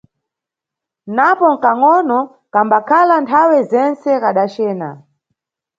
Napo nʼkangʼono, kambakhala nthawe yentse kadacena.